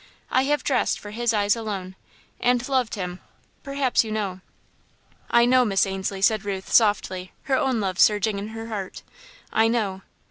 I have dressed for his eyes alone, and loved him perhaps you know " "I know, Miss Ainslie," said Ruth, softly, her own love surging in her heart, "I know."